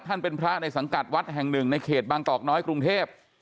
เป็นพระในสังกัดวัดแห่งหนึ่งในเขตบางกอกน้อยกรุงเทพ